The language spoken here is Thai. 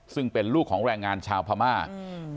ซึ่งเป็นลูกของแรงงานชาวพม่าอืม